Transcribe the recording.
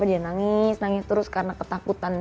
dia nangis nangis terus karena ketakutan